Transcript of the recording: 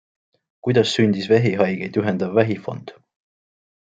Kuidas sündis vähihaigeid ühendav vähifond?